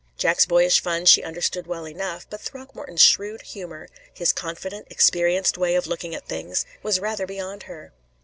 Jack's boyish fun she understood well enough, but Throckmorton's shrewd humor, his confident, experienced way of looking at things, was rather beyond her.